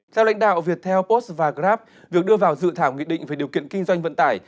theo lãnh đạo viettel post và grab việc đưa vào dự thảo nghị định về điều kiện kinh doanh vận tải